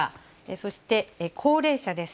そして高齢者です。